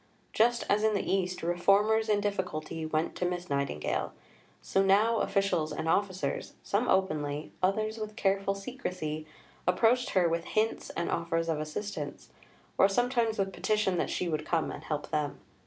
Just as in the East, reformers in difficulty "went to Miss Nightingale," so now officials and officers some openly, others with careful secrecy approached her with hints and offers of assistance, or sometimes with petition that she would come and help them.